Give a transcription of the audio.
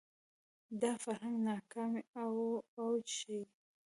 دا فرهنګ ناکامۍ اوج ښيي